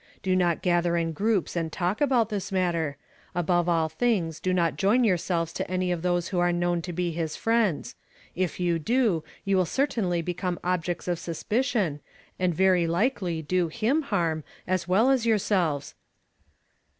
Do not gather in groups and talk about tliis matter; above all things do not join yourselves to any of those who are known to be his friends; if you do, you will certainly become objects of suspicion, and very likely do him harm as well as youi selves."